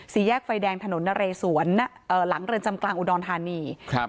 แยกไฟแดงถนนนะเรสวนเอ่อหลังเรือนจำกลางอุดรธานีครับ